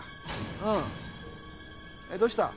うんえっどうした？